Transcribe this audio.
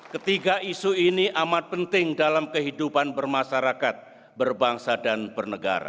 ketiga isu ini amat penting dalam kehidupan bermasyarakat berbangsa dan bernegara